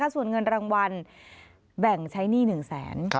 ส่วนเงินรางวัลแบ่งใช้หนี้๑แสน